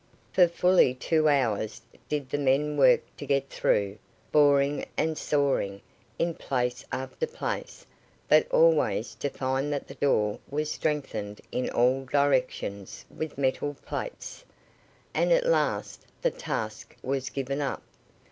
For fully two hours did the men work to get through, boring and sawing in place after place, but always to find that the door was strengthened in all directions with metal plates; and at last the task was given up.